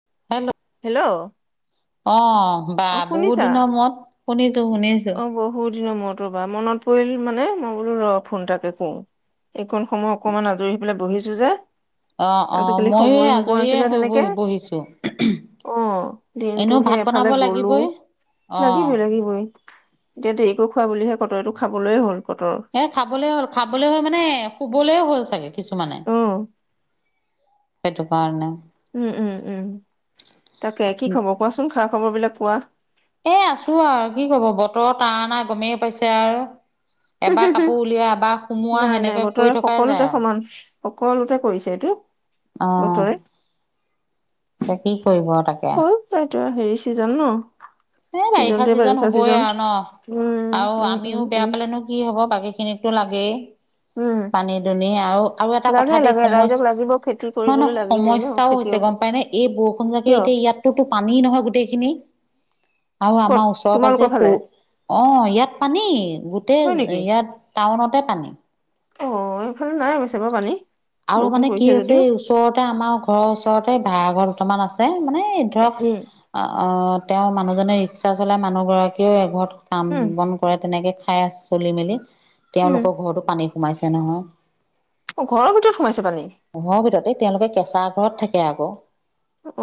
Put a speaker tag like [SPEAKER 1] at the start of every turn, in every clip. [SPEAKER 1] [unintelligible]
[SPEAKER 2] Hello?
[SPEAKER 1] অ' বা,
[SPEAKER 2] অ শুনিছা
[SPEAKER 1] বহুত দিনৰ মূৰত। শুনি তো শুনিছো।
[SPEAKER 2] অ বহুত দিনৰ মূৰতো ৰ'বা মনত পৰিল মানে, মই বোলো ৰ' ফোন এটাকে কৰোঁ। এইখন সময় অকণমান আজৰি হৈ পেলাই বহিচ ছো যে
[SPEAKER 1] অ', অ',
[SPEAKER 2] আজিকালি
[SPEAKER 1] ময়ো এই
[SPEAKER 2] সময়ে নোপোৱা হৈছো
[SPEAKER 1] আজৰিয়ে
[SPEAKER 2] ন
[SPEAKER 1] হৈ
[SPEAKER 2] তেনেকে
[SPEAKER 1] ব-বহিছোঁ,
[SPEAKER 2] অ দিনটো
[SPEAKER 1] এনেও
[SPEAKER 2] সেই
[SPEAKER 1] ভাত
[SPEAKER 2] এফালে
[SPEAKER 1] বনাব
[SPEAKER 2] গলো
[SPEAKER 1] লাগিবই, অ'।
[SPEAKER 2] লাগিবই লাগিবই এতিয়া দেৰিকৈ খোৱা বুলিহে, ক'তয়েটো খাবলৈয়ে হ'ল। কতৰ
[SPEAKER 1] এ খাবলৈ হ'ল, খাবলৈ হৈ মানে সু [unintelligible] হ'ল চাগে। কিছুমানে।
[SPEAKER 2] অ
[SPEAKER 1] সেটোকাৰণে।
[SPEAKER 2] উম, উম, উম, তাকে, কি খবৰ কোৱাচোন? খা খবৰ বিলাক কোৱা?
[SPEAKER 1] এ, আছোঁ আৰু, কি ক'ব বতৰৰ তাৰনা গমেই পাইছে আৰু। এবাৰ কাপোৰ উলিয়াও, এবাৰ সুমোৱাও
[SPEAKER 2] নাই নাই
[SPEAKER 1] সেনেকে
[SPEAKER 2] বতৰে
[SPEAKER 1] কৰি থকাই যায়
[SPEAKER 2] সকলোতে
[SPEAKER 1] আৰু।
[SPEAKER 2] সমান সকলোতে কৰিছে এইটো।
[SPEAKER 1] অ'।
[SPEAKER 2] বতৰে
[SPEAKER 1] বাকী কৰিব আৰু তাকে।
[SPEAKER 2] হ'ল তাইতো হেৰি ছিজন ন'।
[SPEAKER 1] এ বাৰিষা
[SPEAKER 2] ছিজনটোৱে
[SPEAKER 1] চিজন হবই
[SPEAKER 2] ছিজন।
[SPEAKER 1] আৰু ন?
[SPEAKER 2] উম,
[SPEAKER 1] আৰু
[SPEAKER 2] উম,
[SPEAKER 1] আমিও
[SPEAKER 2] উম,
[SPEAKER 1] বেয়া
[SPEAKER 2] উম,
[SPEAKER 1] পালেনো কি হব বাকি এনেই টো লাগেই।
[SPEAKER 2] উম,
[SPEAKER 1] পানী দুনি আৰু আৰু এটা
[SPEAKER 2] লাগে
[SPEAKER 1] কথা দে,
[SPEAKER 2] লাগে ৰাইজক লাগিব খেতি
[SPEAKER 1] সমস্যা নহ,
[SPEAKER 2] কৰিবলৈ
[SPEAKER 1] নহ,
[SPEAKER 2] লাগিবই ন
[SPEAKER 1] সমস্যাও হৈছে
[SPEAKER 2] খেতিয়কক
[SPEAKER 1] গম পায় নে, এই বৰষুণ জাকে
[SPEAKER 2] কিয়
[SPEAKER 1] এতিয়া ইয়াতোতো পানী নহয় গোটেইখিনি। আৰু
[SPEAKER 2] ক'ত
[SPEAKER 1] আমাৰ ওচৰ পাজৰে
[SPEAKER 2] তোমালোকৰ
[SPEAKER 1] সৰু,
[SPEAKER 2] ফালে?
[SPEAKER 1] অ' ইয়াত পানী গোটেই
[SPEAKER 2] হয় নেকি?
[SPEAKER 1] ইয়াত টাউনতে পানী।
[SPEAKER 2] অ', এইফালে নাই অৱশ্যে বাৰু পানী
[SPEAKER 1] আৰু
[SPEAKER 2] বৰষুণ
[SPEAKER 1] মানে কি
[SPEAKER 2] পৰিছে
[SPEAKER 1] হৈছে,
[SPEAKER 2] যদিও।
[SPEAKER 1] ওচৰতে আমাৰ ঘৰৰ ওচৰতে বা আগৰ দুটামান আছে। এই মানে ধৰক,
[SPEAKER 2] উম,
[SPEAKER 1] অ' অ' তেওঁৰ মানুহজনে ৰিক্সা চলাই মানুহ গৰাকীয়েও এঘৰত। কাম
[SPEAKER 2] উম,
[SPEAKER 1] বন কৰে তেনেকে। খাই চলি মেলি।
[SPEAKER 2] উম,
[SPEAKER 1] তেওঁলোকৰ ঘৰতো পানী সোমাইছে নহয়।
[SPEAKER 2] অহ ঘৰৰ ভিতৰত সোমাইছে পানী
[SPEAKER 1] ঘৰ ভিতৰতে। তেওঁলোকে কেঁচা ঘৰত থাকে আকৌ।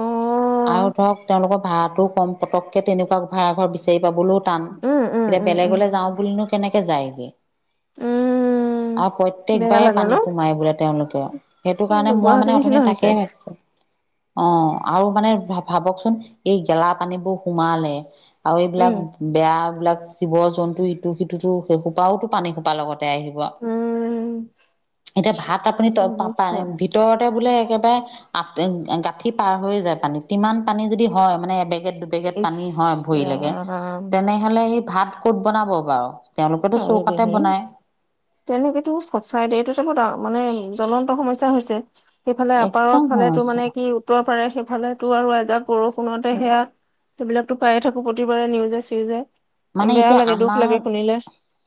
[SPEAKER 2] অ',
[SPEAKER 1] আৰু ধৰক তেওঁলোকৰ ভাড়াটো ক'ম, পটককৈ তেনেকুৱা ভাড়াঘৰ বিচাৰি পাবলৈওঁ টান।
[SPEAKER 2] উম, উম,
[SPEAKER 1] এতিয়া
[SPEAKER 2] উম, উম,
[SPEAKER 1] বেলেগলৈ যাওঁ বুলিনো কেনেকে যায়গে।
[SPEAKER 2] উম,
[SPEAKER 1] আৰু
[SPEAKER 2] বেয়া
[SPEAKER 1] প্ৰত্যকবাৰেই
[SPEAKER 2] লাগে
[SPEAKER 1] পানী
[SPEAKER 2] ন
[SPEAKER 1] সোমাই বোলে তেওঁলোকৰ। সেইটো কাৰণে মই মানে
[SPEAKER 2] গুৱাহাটীৰ
[SPEAKER 1] অথনি
[SPEAKER 2] নিচিনা হৈছে।
[SPEAKER 1] তাকে ভাবিছো। অহ আৰু মানে ভাবকচোন এই গেলা পানীবোৰ সোমালে আৰু এইবিলাক
[SPEAKER 2] উম,
[SPEAKER 1] বেয়া বিলাক জীৱ জন্তু ইটো সিটোতো সেই সোপাওঁটো পানী সোপা লগত জায় আহিব।
[SPEAKER 2] উম,
[SPEAKER 1] এতিয়া ভাত আপুনি
[SPEAKER 2] ইচ
[SPEAKER 1] পান ভিতৰতে বোলে একে [unintelligible] গাঁঠি পাৰ হৈ যায় পানীত তিমান পানী যদি হয়, মানে এবেগেত দুবেগেত পানী হয়, ভৰিলেকে
[SPEAKER 2] ৰাম
[SPEAKER 1] তেনেহ'লে সেই ভাত ক'ত বনাব বাৰু? তেওঁলোকেতো
[SPEAKER 2] আয়ো
[SPEAKER 1] চৌকাতে
[SPEAKER 2] দেহি
[SPEAKER 1] বনায়
[SPEAKER 2] তেওঁলোকেটো সঁচাই দেই, এইটো যে, বৰ ডাঙৰ-মানে জ্বলন্ত সমস্যা হৈছে। সেইফালে আপাৰৰ
[SPEAKER 1] একদম
[SPEAKER 2] ফালে তো,
[SPEAKER 1] সমস্যা
[SPEAKER 2] মানে কি উত্তৰ পাৰে সেইফালেতো আৰু এজাক বৰষুণতে সেয়া, এইবিলাকতো পায়েই থাকো প্ৰতিবাৰে নিউজ, চিউজে। বেয়া লাগে, দুখ লাগে শুনিলে।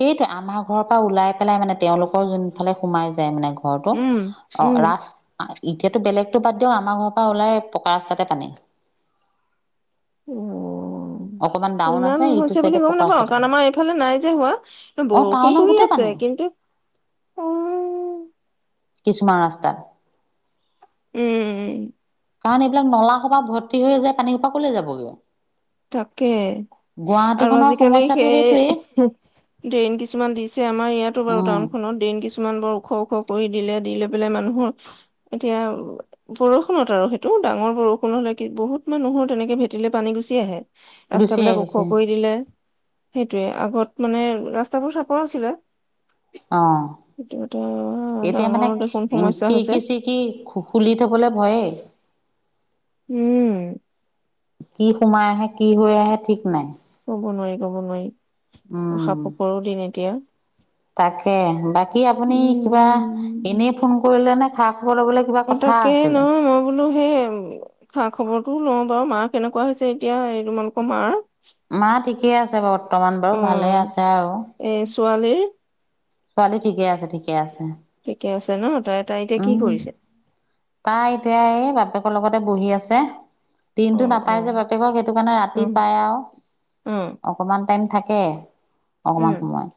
[SPEAKER 1] সেইটোৱে আমাৰ ঘৰৰ পৰা ওলাই পেলাই মানে, তেওঁলোকৰ যোনফালে সোমাই যায় মানে। ঘৰটো
[SPEAKER 2] উম
[SPEAKER 1] অ',
[SPEAKER 2] উম
[SPEAKER 1] ৰাচ এতিয়াতো বেলেগ টো, বাদ দিয়ক আমাৰ ঘৰৰ পৰা ওলাই পকা ৰাস্তাতে পানী। অকমান
[SPEAKER 2] উৱ
[SPEAKER 1] ডাউন
[SPEAKER 2] ইমান
[SPEAKER 1] আছে ইটো
[SPEAKER 2] হৈছে
[SPEAKER 1] চাইডে
[SPEAKER 2] বুলি গম
[SPEAKER 1] পকা
[SPEAKER 2] নাপাওঁ,
[SPEAKER 1] ৰাস্তাতে
[SPEAKER 2] কাৰণ
[SPEAKER 1] পানী
[SPEAKER 2] আমাৰ এইফালে নাই যে, হোৱা
[SPEAKER 1] অ
[SPEAKER 2] বৰষুণ
[SPEAKER 1] টাউনত
[SPEAKER 2] পৰি
[SPEAKER 1] গোটেই
[SPEAKER 2] আছে
[SPEAKER 1] পানী
[SPEAKER 2] কিন্তু অ'
[SPEAKER 1] কিছুমান ৰাস্তাত।
[SPEAKER 2] উম।
[SPEAKER 1] কাৰণ এইবিলাক নলা সোপা ভৰ্তি হৈয়ে যায়, পানী সোপা ক'লে যাবগে?
[SPEAKER 2] তাকে, আৰু
[SPEAKER 1] গুৱাহাটীখনৰ
[SPEAKER 2] আজিকালি
[SPEAKER 1] সমস্যাটো
[SPEAKER 2] সেই
[SPEAKER 1] সেইটোৱেই
[SPEAKER 2] ড্ৰেইন কিছুমান দিছে, আমাৰ ইয়াতো বাৰু
[SPEAKER 1] উম
[SPEAKER 2] টাউনখনত ড্ৰেইন কিছু কিমান বৰ ওখ ওখ কৰি দিলে। দিলৈ পেলাই মানুহৰ এতিয়া বৰষুনত আৰু সেইটো ডাঙৰ বৰষুণ হ'লে কি বহুত মানুহৰ তেনেকে ভেটিলে পানী গুচি আহে।
[SPEAKER 1] গুচি
[SPEAKER 2] ৰাস্তা
[SPEAKER 1] আহি
[SPEAKER 2] বিলাক ওখ
[SPEAKER 1] গৈছে
[SPEAKER 2] কৰি দিলে। সে তে আগত মানে ৰাস্তাবোৰ চাপৰ আছিলে।
[SPEAKER 1] অ'
[SPEAKER 2] এইটো এটা
[SPEAKER 1] এতিয়া
[SPEAKER 2] ডাঙৰ
[SPEAKER 1] মানে
[SPEAKER 2] দেখোন
[SPEAKER 1] উম,
[SPEAKER 2] সমস্যা হৈছে
[SPEAKER 1] খিৰিকি চিৰিকি খু-খুলি থবলে ভয়ে।
[SPEAKER 2] উম
[SPEAKER 1] কি সোমাই আহে কি হৈ আহে ঠিক নাই।
[SPEAKER 2] ক'ব নোৱাৰি ক'ব নোৱাৰি।
[SPEAKER 1] উম
[SPEAKER 2] উসাপ প'পৰৰ দিন এতিয়া।
[SPEAKER 1] তাকে। বাকী আপুনি কিবা
[SPEAKER 2] উম।
[SPEAKER 1] এনেই ফোন কৰিলেনে? থাক।
[SPEAKER 2] অ, তাকে নহ মই বোলো। সেই এম, খা-খবৰটো লওঁ বাৰু মা কেনেকুৱা হৈছে এতিয়া। এই তোমালোকৰ মা।
[SPEAKER 1] মা ঠিক। কে আছে ঘৰত। বৰ্তমান বাৰু ভালে আছে আৰু।
[SPEAKER 2] ছোৱালী।
[SPEAKER 1] ছোৱালী ঠিকে আছে। ঠিকে আছে।
[SPEAKER 2] ঠিকে আছে ন তাই তাই এতিয়া কি
[SPEAKER 1] উম,
[SPEAKER 2] কৰিছে
[SPEAKER 1] তাই এতিয়া এ, বাপেক। মাৰ লগতে বহি আছে।
[SPEAKER 2] অ
[SPEAKER 1] দিনটো
[SPEAKER 2] অ
[SPEAKER 1] নাপাই যে বাপেকক। সেইটো কাৰণে ৰাতি
[SPEAKER 2] উম
[SPEAKER 1] পায়। আৰু
[SPEAKER 2] অ
[SPEAKER 1] অকমান টাইম থাক। সেয়ে। অকমান
[SPEAKER 2] উম
[SPEAKER 1] সময়।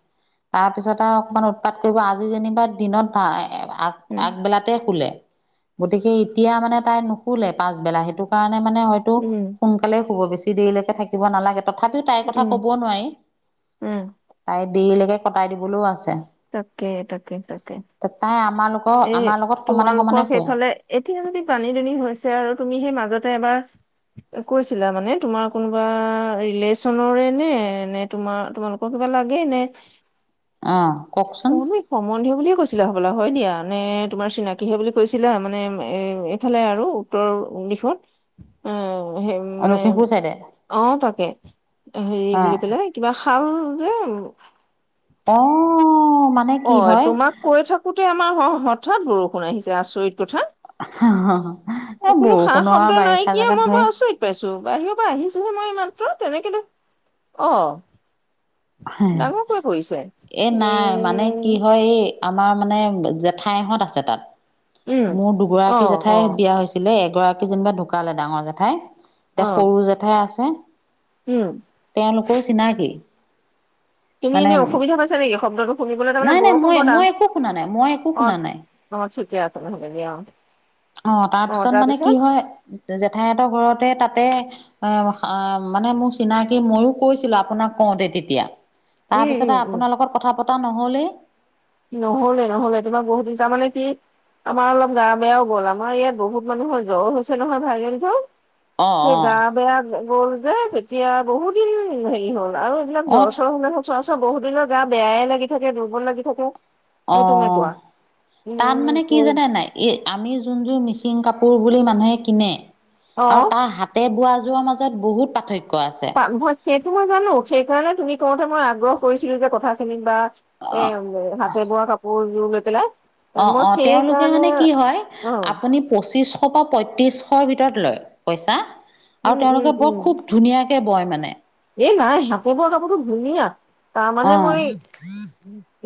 [SPEAKER 1] তাৰপিছত আৰু। অকমান উৎপাত কৰিব আজি যেনিবা দিনত ভা। [unintelligible] আগ
[SPEAKER 2] উম
[SPEAKER 1] আগবেলাতে শুলে। গতিকে এতিয়া মানে তাই নুশোুলে পাছবেলা সেইটো কাৰণ। নে মানে হয়টো
[SPEAKER 2] উম
[SPEAKER 1] সোনকালে শুব বেছি। দেৰিলৈকে থাকিব নালাগে। তথাপিও তাইৰ কথা
[SPEAKER 2] উম
[SPEAKER 1] কব নোৱাৰি
[SPEAKER 2] উম
[SPEAKER 1] তাই। দেৰিলৈকে কটাই দিবলৈও আছে।
[SPEAKER 2] তাকে, তাকে, তাকে।
[SPEAKER 1] তাই আমাৰ লোকৰ
[SPEAKER 2] এ'
[SPEAKER 1] আমাৰ লগত সমানে সমানে
[SPEAKER 2] তোমালোকৰ
[SPEAKER 1] শুৱে।
[SPEAKER 2] সেইফালে এতিয়া যদি পানী দুনি হৈছে আৰু তুমি সেই মাজতে এবাৰ। কৈছিলা, মানে তোমাৰ কোনোবা ৰিলেচনৰে নে নে তোমাৰ তোমালোকৰ কিবা লাগে নে।
[SPEAKER 1] অ'। কওকচোন
[SPEAKER 2] অ' আমি সম্বন্ধ বুলিয়ে কৈছিলা হবলা, হয় দিয়া নে। তোমাৰ চিনাকিহে বুলি কৈছিলা, মানে এ এইফালে আৰু উত্তৰ দিশত অ'। সে মানে,
[SPEAKER 1] লখিমপুৰ চাইডে
[SPEAKER 2] অ' তাকে হেৰি
[SPEAKER 1] অ।
[SPEAKER 2] বুলি পেলাই কিবা। [unintelligible]
[SPEAKER 1] অহ।
[SPEAKER 2] অ' তোমাক কৈ থাকোতে আমাৰ হ থাৎ বৰষুণ আহিছে, আচৰিত।
[SPEAKER 1] এ বৰষুণৰ বাৰিষা জেগাত হয়
[SPEAKER 2] [unintelligible] তেনেকেতো, অ' ডাঙৰ কৈ পৰিছে, এ'
[SPEAKER 1] মানে কি হয়, এই আমাৰ মানে জেঠাই হ'ত আছে তাত।
[SPEAKER 2] উম
[SPEAKER 1] মোৰ
[SPEAKER 2] অ
[SPEAKER 1] দুগৰাকী জেঠাই
[SPEAKER 2] অ
[SPEAKER 1] বিয়া হৈছিলে, এক গৰাকী যেনিবা ঢুকালে। ডাঙৰ জেঠাই এতিয়া
[SPEAKER 2] অ
[SPEAKER 1] সৰু জেঠাই আছে, হেঃ
[SPEAKER 2] উম
[SPEAKER 1] তেওঁলোকৰো চিনাকি। মানে
[SPEAKER 2] [unintelligible]
[SPEAKER 1] নাই নাই মই মই একো
[SPEAKER 2] হ'ব
[SPEAKER 1] শুনা নাই মই একো শুনা নাই
[SPEAKER 2] দিয়া, অ'
[SPEAKER 1] অ' তাৰ পিছত মানে কি হয়, জেঠাইহ'তৰ ঘৰতে তাতে অ' মানে মোৰ চিনাকি, মইও কৈছিলো আপোনাক কওঁতে তেতিয়া
[SPEAKER 2] উম উম
[SPEAKER 1] তাৰপিছতে
[SPEAKER 2] উম
[SPEAKER 1] আপোনাৰ লগত কথা পতা নহ'লেই।
[SPEAKER 2] নহলে নহলে, তোমাক বহুত দিন তাৰমানে কি আমাৰ অলপ গা বেয়াও গ'ল, আমাৰ ইয়াত বহুত মানুহ জ্বৰ হৈছে নহয় ভাইৰেল জ্বৰ।
[SPEAKER 1] অ
[SPEAKER 2] সেই
[SPEAKER 1] অ
[SPEAKER 2] গা বেয়া গ'ল, ধেৎ এতিয়া বহুত দিন হেৰি হ'ল। আৰু এইিলাক
[SPEAKER 1] অ
[SPEAKER 2] জ্বৰ চৰ হ'লে সচৰাচৰ পিছত বহু দিনৰ গা বেয়ই লাগ থাকে, দুৰ্বল লাগি থাকে। সেই তেনেকুৱা
[SPEAKER 1] অ' তাত মানে কি
[SPEAKER 2] উম
[SPEAKER 1] জানে নাই, এই আমি যোন যোৰ মিচিং কাপোৰ পোৰ বুলি মানুহে কিনে,
[SPEAKER 2] অ'
[SPEAKER 1] আৰু তাৰ হাতে বোৱা যোৱা মাজত বহুত পাৰ্থক্য কোৱা আছে।
[SPEAKER 2] পা মই সেইটো মই জানো সেইকাৰণে তুমি কওঁতে মই আগ্ৰহ কৰিছিলো যে কথা খিনিক বা। এ
[SPEAKER 1] অ
[SPEAKER 2] হাতে বোৱা কাপোৰযোৰ। [unintelligible]
[SPEAKER 1] অ
[SPEAKER 2] মই
[SPEAKER 1] অ তেওঁলোকে
[SPEAKER 2] সেইকাৰণে
[SPEAKER 1] মানে কি হয়
[SPEAKER 2] অ
[SPEAKER 1] আপুনি পঁচিশ পৰা পঁয়ত্ৰিশ। ৰ ভিতৰত লয় পইচা। আৰু
[SPEAKER 2] উম উম
[SPEAKER 1] তেওঁলোকে বৰ
[SPEAKER 2] উম
[SPEAKER 1] খুব ধুনীয়া। কে বয় মানে।
[SPEAKER 2] এই নাই হাতে বোৱা কাপোৰটো ধুনীয়া। তাৰমানে
[SPEAKER 1] অ',
[SPEAKER 2] মই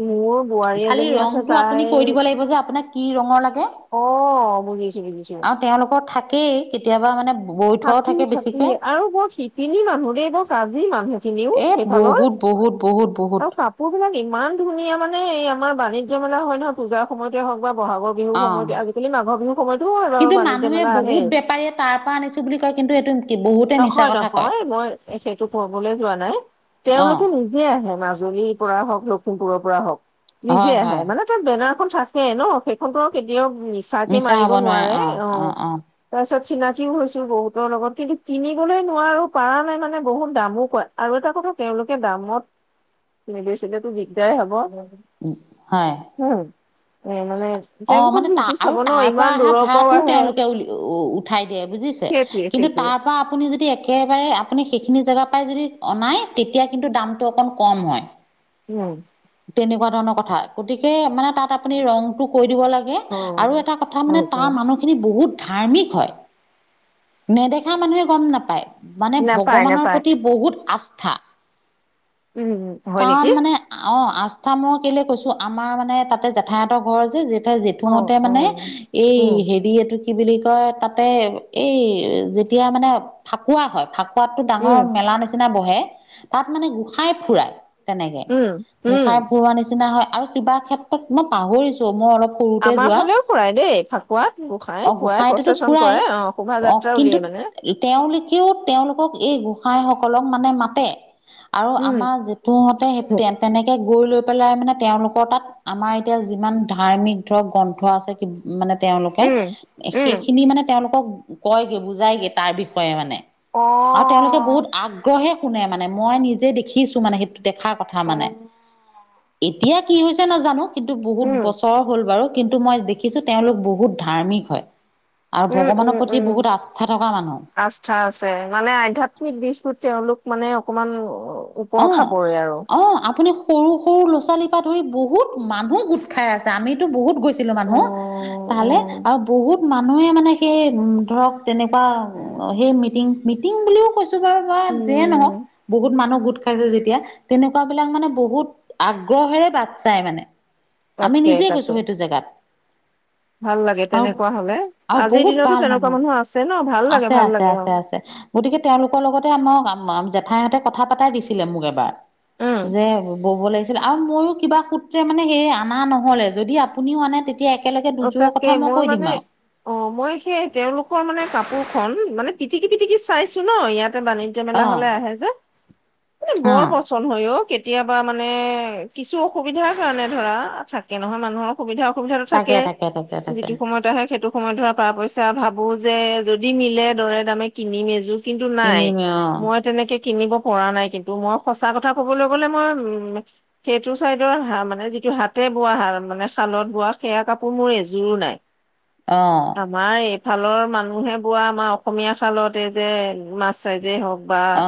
[SPEAKER 2] মোৰ। [unintelligible]
[SPEAKER 1] খালি
[SPEAKER 2] এজনী আছে
[SPEAKER 1] ৰঙটো আপুনি
[SPEAKER 2] তাই
[SPEAKER 1] কৈ দিব লাগিব, যে আপোনাক কি ৰঙৰ লাগে।
[SPEAKER 2] অ বুজিছো বুজিছো
[SPEAKER 1] আৰু তেওঁলোকৰ থাক কেই, কেতিয়াবা মানে বৈ থোৱাও
[SPEAKER 2] থাকি
[SPEAKER 1] থাকে
[SPEAKER 2] থাকি
[SPEAKER 1] বেছিকে।
[SPEAKER 2] আৰু বৰ শিপিনী মানুহ দেই, বৰ কাজি মানুহখিনিও
[SPEAKER 1] এ
[SPEAKER 2] সেইফালৰ,
[SPEAKER 1] বহুত বহুত বহুত বহুত
[SPEAKER 2] আৰু কাপোৰ বিলাক ইমান ধুনীয়া। মানে এই আমাৰ বাণিজ্য মেলা হয় নহয়, পূজাৰ সময়তে হওঁক বা বহা'গৰ বিহুৰ সময়ত,
[SPEAKER 1] অ'।
[SPEAKER 2] আজিকালি মাঘৰ বিহুৰ সময়তো হয় বাৰু,
[SPEAKER 1] কিন্তু
[SPEAKER 2] বাণিজ্য
[SPEAKER 1] মানুহে
[SPEAKER 2] মেলা
[SPEAKER 1] বহুত
[SPEAKER 2] আহেই
[SPEAKER 1] বেপাৰীয়ে তাৰ পৰা আনিছো বুলি কয় কিন্তু এইটো বহুতে মিছা
[SPEAKER 2] নহয়
[SPEAKER 1] কথা কয়।
[SPEAKER 2] নহয় মই সেইটো ৰ্ফমলৈ যোৱা নাই,
[SPEAKER 1] অ',
[SPEAKER 2] তেওঁলোকে নিজে আহে। মাজুলীৰ পৰা হওঁক লখিমপুৰৰ পৰা হওঁক। নিজে
[SPEAKER 1] হয়
[SPEAKER 2] আহে
[SPEAKER 1] হয়
[SPEAKER 2] মানে তাত বেনাৰ খন থাকে ন' সেইখনটো কেতিয়াও মিছাকে মাৰিব নোৱাৰে অ', তাৰপিছত চিনাকিও হৈছো বহুতৰ লগত কিন্তু কিনিবলৈ নোৱাৰোঁ, পাৰা নাই মানে বহুত দামো কয় আৰু এটা কথা তেওঁলোকে দামত [unintelligible] হ'লেতো দিগদাৰ হ'ব।
[SPEAKER 1] হয়
[SPEAKER 2] উম, এ মানে
[SPEAKER 1] অ',
[SPEAKER 2] তেওঁলোকৰ
[SPEAKER 1] মানে তাৰ
[SPEAKER 2] বিহুটো
[SPEAKER 1] আৰু
[SPEAKER 2] চাব ন
[SPEAKER 1] তাৰ পৰা
[SPEAKER 2] ইমান
[SPEAKER 1] অহা
[SPEAKER 2] দূৰৰ পৰাও
[SPEAKER 1] ভাড়াটোও
[SPEAKER 2] আহে।
[SPEAKER 1] তেওঁলোকে উলি উঠাই দিয়ে বুজিছে
[SPEAKER 2] সেইটোৱে
[SPEAKER 1] কিন্তু
[SPEAKER 2] সেইটোৱে
[SPEAKER 1] তাৰ পৰা আপুনি যদি একেবাৰে আপুনি সেইখিনি জেগাৰ পৰাই যদি অনাই তেতিয়া কিন্তু দামটো অকণ কম হয়।
[SPEAKER 2] উম।
[SPEAKER 1] তেনেকুৱা ধৰণৰ কথা গতিকে মানে তাত আপুনি ৰঙটো কৈ দিব লাগে
[SPEAKER 2] অ'।
[SPEAKER 1] আৰু এটা কথা মানে
[SPEAKER 2] উম,
[SPEAKER 1] তাৰ
[SPEAKER 2] উম,
[SPEAKER 1] মানুহখিনি বহুত ধাৰ্মীক হয়, নেদেখা মানুহে গম নাপায়। মানে
[SPEAKER 2] নাপায়
[SPEAKER 1] ভগৱানৰ
[SPEAKER 2] নাপায়
[SPEAKER 1] প্ৰতি বহুত আস ঠা
[SPEAKER 2] উম, হয় নেকি?
[SPEAKER 1] অ', আস্থা মই কেলে কৈছো আমাৰ মানে তাতে জেঠায়হঁতৰ ঘৰ যে জে
[SPEAKER 2] অ',
[SPEAKER 1] জেঠুহতে মানে
[SPEAKER 2] অ'।
[SPEAKER 1] এই
[SPEAKER 2] উম,
[SPEAKER 1] হেৰি এইটো কি বুলি তাতে এই যেতিয়া মানে ফাকুৱা হয়। সোৱাদটো ডাঙৰ
[SPEAKER 2] উম,
[SPEAKER 1] মেলাৰ নিচিনা বহে। তাত মানে গোসাই ফুৰাই। তেনেকে।
[SPEAKER 2] উম, উম,
[SPEAKER 1] গোসাই পুৰোৱানিচে হয় আৰু কিবা ক্ষেত্ৰত মই পাহৰিছো মই অলপ। সৰুতে
[SPEAKER 2] আমাৰ
[SPEAKER 1] যোৱা
[SPEAKER 2] ফালেও ফুৰাই দেই ফাকুৱাত,
[SPEAKER 1] অ
[SPEAKER 2] গোসাই খুৱাই
[SPEAKER 1] গোসাঁইটোতো
[SPEAKER 2] পপ্ৰচেশ্যন
[SPEAKER 1] ফুৰাই
[SPEAKER 2] কৰে অ, শোভাযাত্ৰা উলিয়াই মানে।
[SPEAKER 1] তেওলোকক এই গোসাই সকলক মানে মাতে। আৰু
[SPEAKER 2] উম,
[SPEAKER 1] আমাৰ যিটোুহতে
[SPEAKER 2] উম,
[SPEAKER 1] সেই এনেকে গৈ লৈ পেলাই মানে তেওঁলোকৰ তাত আমাৰ এতিয়া যিমান ধাৰ্মিক ধৰক গ্ৰন্থ আছে মানে তেওঁলোকে
[SPEAKER 2] উম,
[SPEAKER 1] সেইখিনি মানে তেওঁলোকক কয়গে বুজাইগে তাৰ বিষয়ে মানে। আৰু তেওঁলোকে
[SPEAKER 2] অ',
[SPEAKER 1] বহুত আগ্ৰহে কোনে মানে মই নিজে দেখিছো মানে সেইটো দেখা কথা মানে
[SPEAKER 2] অ'।
[SPEAKER 1] এতিয়া কি হৈছে নাজানো। কিন্তু বহুত
[SPEAKER 2] উম,
[SPEAKER 1] বছৰ হ'ল বাৰু কিন্তু মই দেখিছোঁ তেওঁলোক বহুত ধাৰ্মিক হয়। আৰু
[SPEAKER 2] উম
[SPEAKER 1] ভগৱানৰ
[SPEAKER 2] উম
[SPEAKER 1] প্ৰতি
[SPEAKER 2] উম
[SPEAKER 1] বহুত আস্থা থকা মানুহ
[SPEAKER 2] আস্থা আছে মানে আধ্যয়াত্মিক দিশটোত তেওঁলোক মানে অকণমান
[SPEAKER 1] অ অ আপুনি সৰু সৰু ল'ৰা ছোৱালীৰ পৰা ধৰি বহুত মানুহ গোট খাই আছে আমিতো বহুত গৈছোঁ।
[SPEAKER 2] অ
[SPEAKER 1] মানুহ
[SPEAKER 2] অ
[SPEAKER 1] তালে আৰু বহুত মানুহে মানে কি ধৰক তেনেকুৱা সেই মিটিং মিটিং বুলিও কৈছোঁ। যিয়ে নহওঁক
[SPEAKER 2] উম
[SPEAKER 1] বহুত মানুহ গোট পাইছো যেতিয়া তেনেকুৱা বিলাক মানে বহুত আগ্ৰহেৰে বাট চাই মানে আমি
[SPEAKER 2] তাকে
[SPEAKER 1] নিজে
[SPEAKER 2] তাকে
[SPEAKER 1] গৈছো সেইটো জেগাত
[SPEAKER 2] ভাল লাগে
[SPEAKER 1] আৰু
[SPEAKER 2] তেনেকুৱা হলে
[SPEAKER 1] আৰু
[SPEAKER 2] আজিৰ
[SPEAKER 1] বহুত
[SPEAKER 2] দিনতো
[SPEAKER 1] ভাল
[SPEAKER 2] তেনেকুৱা
[SPEAKER 1] মানুহ
[SPEAKER 2] আছে ন ভাল লাগে
[SPEAKER 1] আছে
[SPEAKER 2] ভাল
[SPEAKER 1] আছে
[SPEAKER 2] লাগে অ
[SPEAKER 1] আছে আছে গতিকে তেওঁলোকৰ লগতে আমাক ঠাইতে কথা পাতাই দিছে দিছিলে মোক এবাৰ
[SPEAKER 2] উম
[SPEAKER 1] যে বব লাগিছিলে। আৰু ময়ো কিবা সূত্ৰে মানে সেই আনা নহ'লে যদি আপুনিও আনে তেতিয়া একেলগে
[SPEAKER 2] অ',
[SPEAKER 1] দুযোৰৰ
[SPEAKER 2] তাকে
[SPEAKER 1] কথা
[SPEAKER 2] মই
[SPEAKER 1] কৈ দিম
[SPEAKER 2] মানে
[SPEAKER 1] আৰু
[SPEAKER 2] অ', মই সেই তেওঁলোকৰ মানে কাপোৰ খন মানে পিটিকি পিটিকি চাইছো ন' ইয়াত তে বাণিজ্য মেলা
[SPEAKER 1] অ
[SPEAKER 2] হ'লে আহে যে, মানে
[SPEAKER 1] অ
[SPEAKER 2] বৰ পচন্দ হয় অ'। কেতি কেতিয়াবা মানে কিছু অসুবিধাৰ কাৰণে ধৰা, থাকে নহয় মানুহৰ সুবিধা অসুবিধা।
[SPEAKER 1] তাকে তাকে তাকে তাকে
[SPEAKER 2] যিটো সময়ত আহে সেইটো সময়ত ধৰা পৰা পইচা অভাৱ। মোৰ যে যদি মিলে দৰে দামে কিনিম এজোৰ। কিন্তু নাই।
[SPEAKER 1] কিনিমে অ
[SPEAKER 2] মই তেনেকে কিনিব পৰা নাই কিন্তু মই সচা কথা কবলৈ গ'লে মই উম সেইটো চাইডৰ হা মানে যিটো হাতে বোৱা হাহ মানে শালত বোৱা সেয়া কাপোৰ মোৰ এযোৰো নাই।
[SPEAKER 1] অ
[SPEAKER 2] আমাৰ এক শালৰ মানুহে বোৱা আমাৰ অসমীয়া খালত এই যে মাছ চাইজেই হওক বা
[SPEAKER 1] অ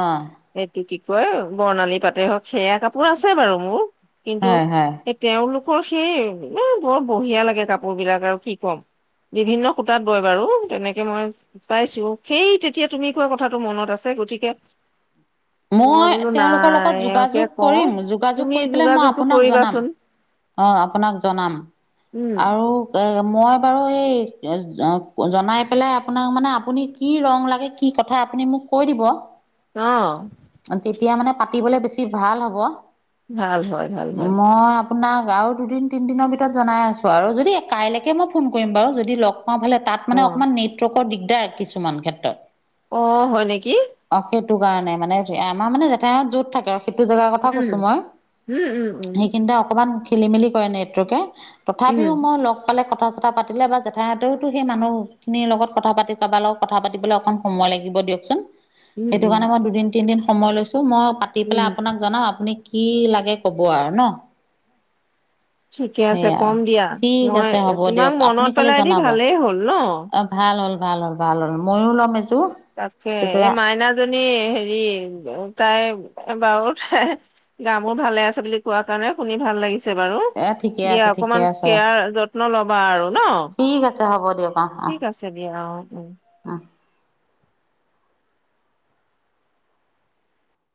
[SPEAKER 2] সেইটো কি হয় বৰ্ণালী পাতে হওক সেয়া কাপোৰ আছে বাৰু মোৰ। কিন্তু
[SPEAKER 1] হয় হয়
[SPEAKER 2] সেই তেওঁলোক কৰ সেই এই বৰ বঢ়িয়া লাগে কাপোৰ বিলাক আৰু কি ক'ম বিভিন্ন সুতাত বয় বাৰু। তেনেকে মই পাইছো সেই তেতিয়া তুমি কোৱা কথাটো মনত আছে, গতিকে
[SPEAKER 1] মই
[SPEAKER 2] বোলো
[SPEAKER 1] তেওঁলোকৰ
[SPEAKER 2] নাই
[SPEAKER 1] লগত
[SPEAKER 2] এওঁকে
[SPEAKER 1] যোগাযোগ
[SPEAKER 2] কওঁ
[SPEAKER 1] কৰিম যোগাযোগ
[SPEAKER 2] তুমি
[SPEAKER 1] কৰি পেলাই মই
[SPEAKER 2] যোগাযোগটো
[SPEAKER 1] আপোনাক জনাম
[SPEAKER 2] কৰিবাচোন
[SPEAKER 1] অ আপোনাক জনাম।
[SPEAKER 2] উম
[SPEAKER 1] আৰু এই মই বাৰু এই জনাই পেলাই আপোনাক মানে আপুনি কি ৰং লাগে কি কথা আপুনি মোক কৈ দিব।
[SPEAKER 2] আহ।
[SPEAKER 1] তেতিয়া মানে পাতিবলে বেছি ভাল হ'ব।
[SPEAKER 2] ভাল হয় ভাল ভাল।
[SPEAKER 1] মই আপোনাক আৰু দুদিন তিনিদিনৰ ভিতৰত জনাই আছোঁ আৰু যদি কাইলৈকে মই ফোন কৰিম বাৰু। যদি লগ পাবলে তাত
[SPEAKER 2] অ
[SPEAKER 1] মান অকমান নেটৱৰ্কৰ দিগ দাৰ কিছুমান ক্ষেত্ৰত।
[SPEAKER 2] অ হয় নেকি।
[SPEAKER 1] নাই নাই মানে আমাৰ মানে জেঠাইহত য'ত থাকে আও সেইটো জেগাৰ কথা
[SPEAKER 2] উম
[SPEAKER 1] কৈছো মই
[SPEAKER 2] উম, উম,
[SPEAKER 1] সেইখিনতে অকমান খেলি মেলি কৰে নেটৱৰ্কে
[SPEAKER 2] উম, উম,
[SPEAKER 1] তথাপিও মই লগ পালে কথা কথা পাতিলে বা জেঠাইহতৰো টো সেই মানুহখিনিৰ লগত কথা পাতি কাৰোবাৰ লগত কথা পাতিবলে অকণ সময় লাগিব দিয়কচোন।
[SPEAKER 2] উম,
[SPEAKER 1] সেই
[SPEAKER 2] উম,
[SPEAKER 1] কাৰণে মই দুদিন তিদিন সময় লৈছো। মই পাতি পেলাই
[SPEAKER 2] উম।
[SPEAKER 1] আপোনাক জনাওঁ আপুনি কি লাগে কব আৰু ন।
[SPEAKER 2] ঠিকে আছে
[SPEAKER 1] সেয়া
[SPEAKER 2] কম দিয়া
[SPEAKER 1] ঠিক
[SPEAKER 2] মই
[SPEAKER 1] আছে হ'ব
[SPEAKER 2] তোমাক
[SPEAKER 1] দিয়ক আপুনি
[SPEAKER 2] মনত
[SPEAKER 1] খালি
[SPEAKER 2] পেলাই দি
[SPEAKER 1] জনাব
[SPEAKER 2] ভালেই হ'ল ন।
[SPEAKER 1] অ ভাল হ'ল ভাল হ'ল ভাল হ'ল ময়ো ল'ম এযোৰ
[SPEAKER 2] তাকে
[SPEAKER 1] তেতিয়া
[SPEAKER 2] এই মাইনা জনি হেৰি তাই বাৰু তাই দামোবোৰ ভালে আছে বুলি কোৱা কাৰণে শুনি ভাল লাগিছে। বাৰু
[SPEAKER 1] এ ঠিকে
[SPEAKER 2] দিয়া
[SPEAKER 1] আছে ঠিকে
[SPEAKER 2] অকমান
[SPEAKER 1] আছে
[SPEAKER 2] কেয়াৰ যত্ন ল'বা আৰু ন।
[SPEAKER 1] ঠিক আছে হ'ব দিয়ক অ অ
[SPEAKER 2] ঠিক আছে দিয়া অ উম।
[SPEAKER 1] অ